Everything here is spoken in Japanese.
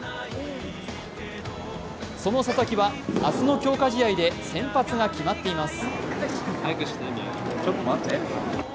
その佐々木は、明日の強化試合で先発が決まっています。